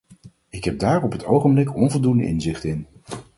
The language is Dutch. Ik heb daar op het ogenblik onvoldoende inzicht in.